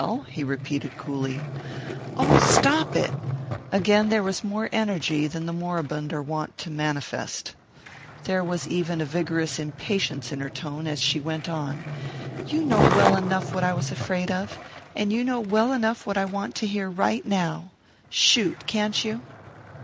he repeated coolly. "Oh, stop it!" Again there was more energy than the moribund are wont to manifest. There was even a vigorous impatience in her tone as she went on, "You know well enough what I was afraid of. And you know well enough what I want to hear right now. Shoot, can't you?"